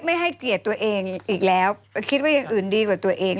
ไม่ให้เกียรติตัวเองอีกแล้วคิดว่าอย่างอื่นดีกว่าตัวเอง